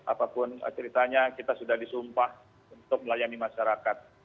apapun ceritanya kita sudah disumpah untuk melayani masyarakat